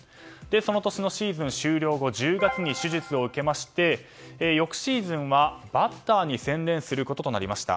その年のシーズン終了後１０月に手術を受けまして翌シーズンはバッターに専念することとなりました。